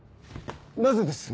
なぜです？